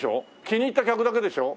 気に入った客だけでしょ？